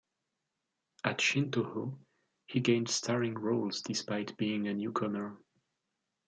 At Shintoho he gained starring roles despite being a newcomer.